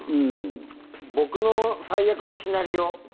僕の最悪のシナリオ。